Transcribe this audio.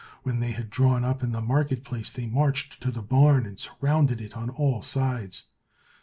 When they had drawn up in the market place, they marched to the barn, and surrounded it on all sides.